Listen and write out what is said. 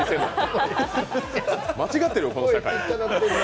間違ってるよ、この世界。